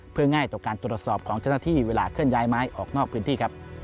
เพื่อง่ายต่อการตรวจสอบของเจ้าหน้าที่เวลาเคลื่อนย้ายไม้ออกนอกพื้นที่ครับ